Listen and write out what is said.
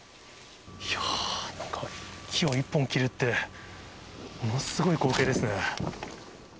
いやー、なんか木を１本切るって、ものすごい光景ですね。